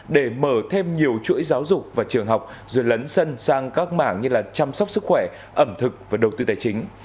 để mở thêm nhiều chuỗi giáo dục và trường học rồi lấn sân sang các mảng như chăm sóc sức khỏe ẩm thực và đầu tư tài chính